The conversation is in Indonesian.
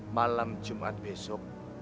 malam jumat besok